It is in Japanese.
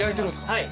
はい。